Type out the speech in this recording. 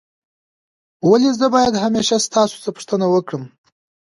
ولي زه باید همېشه ستاسو پوښتنه وکړم؟